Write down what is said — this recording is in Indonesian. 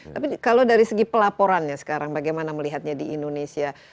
tapi kalau dari segi pelaporannya sekarang bagaimana melihatnya di indonesia